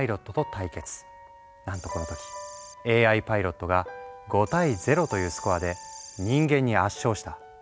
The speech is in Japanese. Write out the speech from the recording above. なんとこの時ＡＩパイロットが５対０というスコアで人間に圧勝した。